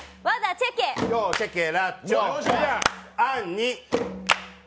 チェケラッチョあん